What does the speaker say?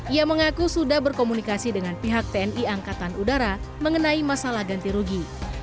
ia mengaku sudah berkomunikasi dengan pihak tni angkatan udara mengenai masalah ganti rugi